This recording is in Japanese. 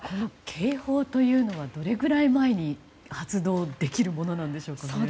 警報というのはどれぐらい前に発動できるものなんでしょうか。